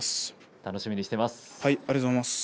楽しみにしています。